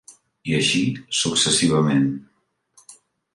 I així, successivament.